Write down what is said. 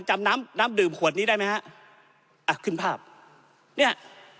ท่านประธานจำน้ำน้ำดื่มขวดนี้ได้ไหมฮะอ่ะขึ้นภาพเนี่ย